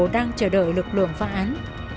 đang chờ đợi lực lượng phá án